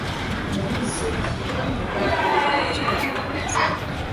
baadhi ya mawe yaliyopigwa yakavunjika vibaya sana